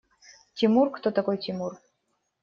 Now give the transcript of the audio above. Тимур? Кто такой Тимур?